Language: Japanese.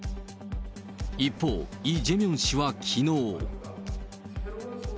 一方、イ・ジェミョン氏はきのう。